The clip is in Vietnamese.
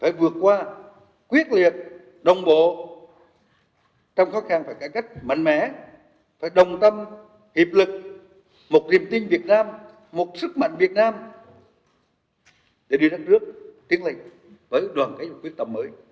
phải vượt qua quyết liệt đồng bộ trong khó khăn phải cải cách mạnh mẽ phải đồng tâm hiệp lực một niềm tin việt nam một sức mạnh việt nam để đưa đất nước tiến lệch với đoàn kế dục quyết tâm mới